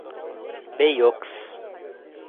Bayeux